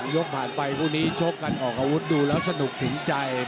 ยกผ่านไปคู่นี้ชกกันออกอาวุธดูแล้วสนุกถึงใจ